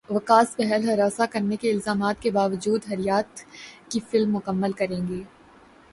وکاس بہل ہراساں کرنے کے الزامات کے باوجود ہریتھک کی فلم مکمل کریں گے